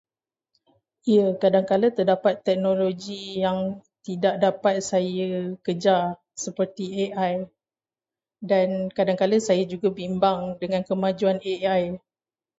Ya, kadangkala terdapat teknologi yang tidak dapat saya kejar seperti AI, dan kadangkala saya juga bimbang dengan kemajuan AI.